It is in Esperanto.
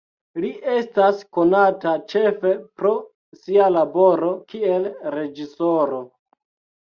Li estas konata ĉefe pro sia laboro kiel reĝisoro.